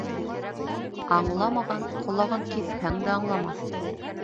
Аңламаған ҡолағын киҫһәң дә аңламаҫ.